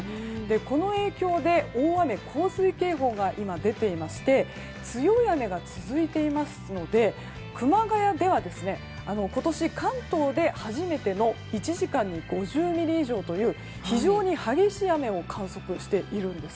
この影響で大雨・洪水警報が今、出ていまして強い雨が続いていますので熊谷では今年関東で初めての１時間に５０ミリ以上という非常に激しい雨を観測しているんです。